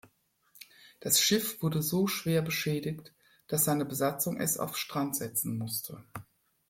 Das Schiff wurde so schwer beschädigt, dass seine Besatzung es auf Strand setzen musste.